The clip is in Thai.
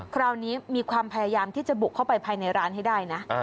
คราวนี้มีความพยายามที่จะบุกเข้าไปภายในร้านให้ได้นะ